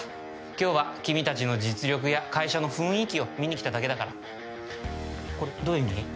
今日は君達の実力や会社の雰囲気を見に来ただけだからこれどういう意味？